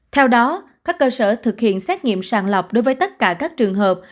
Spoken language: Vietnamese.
theo đó các cơ sở thực hiện xét nghiệm sàng lọc đối với tất cả các trường hợp